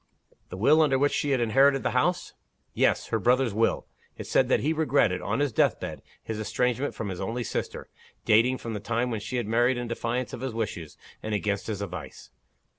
"The will under which she had inherited the house?" "Yes. Her brother's will. It said, that he regretted, on his death bed, his estrangement from his only sister, dating from the time when she had married in defiance of his wishes and against his advice.